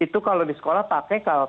itu kalau di sekolah pakai